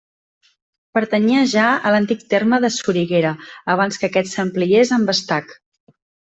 Pertanyia ja a l'antic terme de Soriguera, abans que aquest s'ampliés amb Estac.